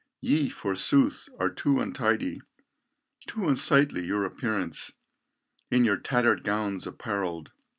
Ye, forsooth! are too untidy, Too unsightly your appearance In your tattered gowns appareled.